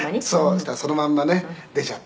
そしたらそのまんまね出ちゃってね」